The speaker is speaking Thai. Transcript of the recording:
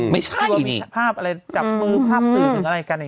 ไม่ใช่นิ